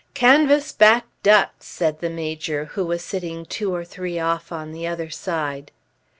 "Canvas back ducks," said the Major, who was sitting two or three off on the other side.